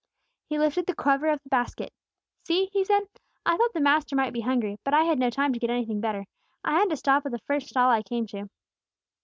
He lifted the cover of the basket. "See!" he said. "I thought the Master might be hungry; but I had no time to get anything better. I had to stop at the first stall I came to."